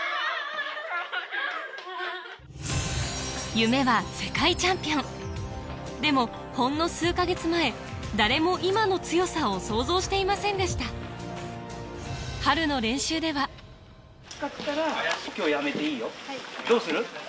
夢はでもほんの数か月前誰も今の強さを想像していませんでした春の練習ではやる？